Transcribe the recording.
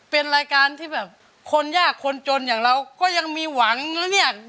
เป็นรายการที่แบบคนยากคนจนอย่างเราก็ยังมีหวังนะเนี่ย